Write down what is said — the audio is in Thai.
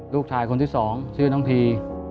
ลูกชายคนที่สองชื่อน้องพี